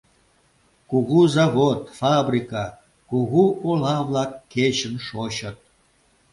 Кугу завод, фабрика, кугу ола-влак кечын шочыт.